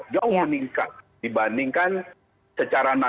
jauh meningkat dibandingkan secara nasional